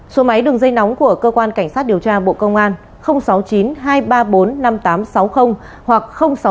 số máy đường dây nóng của cơ quan cảnh sát điều tra bộ công an sáu mươi chín hai trăm ba mươi bốn năm nghìn tám trăm sáu mươi hoặc sáu mươi chín hai trăm ba mươi hai một nghìn sáu trăm bảy